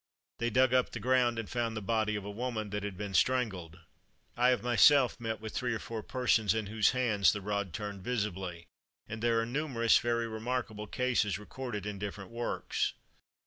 They dug up the ground, and found the body of a woman that had been strangled. I have myself met with three or four persons in whose hands the rod turned visibly; and there are numerous very remarkable cases recorded in different works.